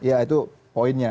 ya itu poinnya